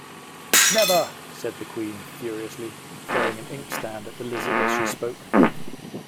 ‘Never!’ said the Queen furiously, throwing an inkstand at the Lizard as she spoke.